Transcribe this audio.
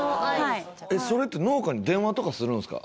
それって農家に電話とかするんですか？